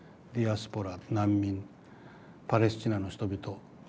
ディアスポラ難民パレスチナの人々。